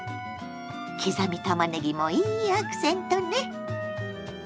刻みたまねぎもいいアクセントね。